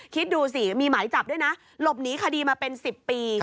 คิดดูสิมีหมายจับด้วยนะหลบหนีคดีมาเป็น๑๐ปี